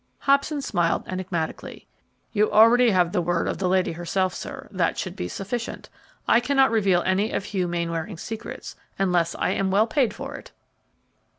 Hobson smiled enigmatically. "You already have the word of the lady herself, sir; that should be sufficient. I cannot reveal any of Hugh Mainwaring's secrets, unless I am well paid for it!"